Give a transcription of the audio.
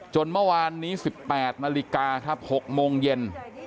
เมื่อวานนี้๑๘นาฬิกาครับ๖โมงเย็น